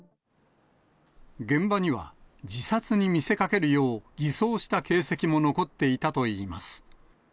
現場には、自殺に見せかけるよう偽装した形跡も残っていたといいます。